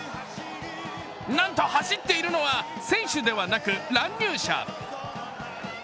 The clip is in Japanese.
なんと走っているのは選手ではなく乱入者。